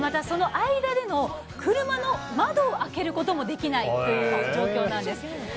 その間での車の窓を開けることもできないという状況なんです。